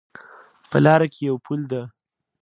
په لاره کې یو پل ده